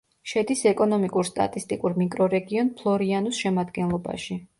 შედის ეკონომიკურ-სტატისტიკურ მიკრორეგიონ ფლორიანუს შემადგენლობაში.